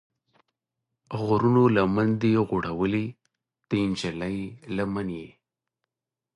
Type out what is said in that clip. غرونو لمن ده غوړولې، د نجلۍ لمن یې